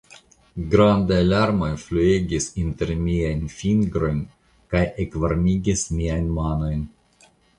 Grandaj larmoj fluegis inter miajn fingrojn kaj ekvarmigis miajn manojn.